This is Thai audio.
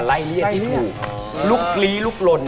ที่เสกอดถูกอยู่สองคัม